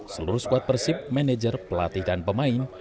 seluruh skuad persib manajer pelatih dan pemain